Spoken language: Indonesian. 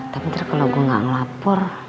tapi nanti kalau gua enggak ngelapor